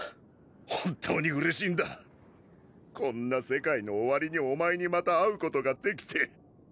本当にうれしいんだこんな世界の終わりにお前にまた会うことができて。